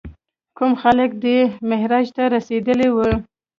کوم خلک چې دې معراج ته رسېدلي وي.